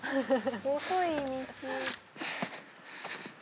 細い道。